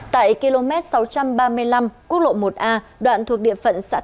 tại km sáu trăm ba mươi năm quốc lộ một a đoạn thuộc địa phận xã